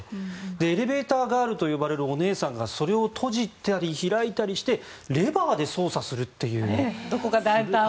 エレベーターガールと呼ばれるお姉さんがそれを閉じたり開いたりしてレバーで操作するという。